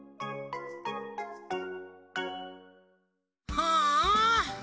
はあ。